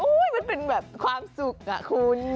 อุ๊ยมันเป็นแบบความสุขค่ะคุณ